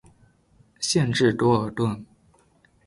县治多尔顿。